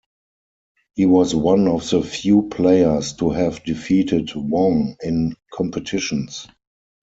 He was one of the few players to have defeated Wong in competitions.